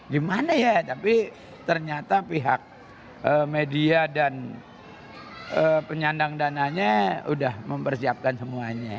gimana ya tapi ternyata pihak media dan penyandang dananya sudah mempersiapkan semuanya